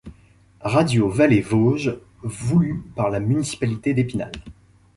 Radio Vallées Vosges, voulue par la municipalité d'Épinal.